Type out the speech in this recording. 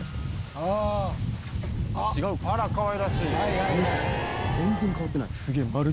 あらかわいらしい！